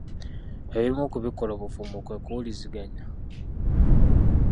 Ebimu ku bikola obufumba kwe kuwuliziganya.